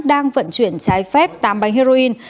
đang vận chuyển trái phép tám bánh heroin